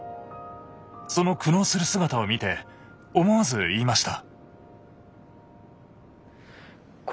その苦悩する姿を見て思わず言いました。